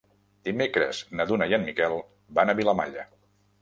Dimecres na Duna i en Miquel van a Vilamalla.